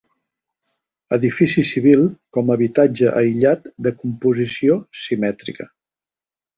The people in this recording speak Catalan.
Edifici civil com a habitatge aïllat de composició simètrica.